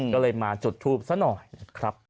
ก็เลยมาจุดทูปซะหน่อยนะครับ